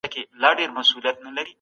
علم د انسان د کمال نښه ده.